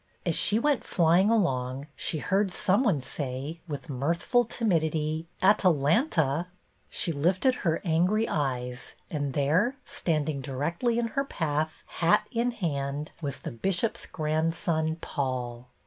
As she went flying along, she heard some one say, with mirthful timidity, " Atalanta." She lifted her angry eyes, and there, standing directly in her path, hat in hand, was the Bishop's grandson, Paul.